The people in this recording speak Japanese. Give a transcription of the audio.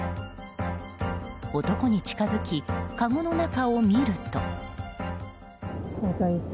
男に近づき、かごの中を見ると。